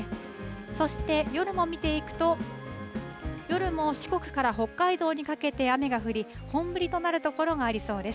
そして夜も見ていくと夜も四国から北海道にかけて雨が降り本降りとなる所がありそうです。